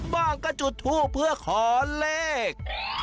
บ้างก็จุดทูปเพื่อขอเลข